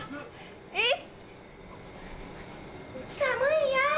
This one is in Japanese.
寒いよぉ。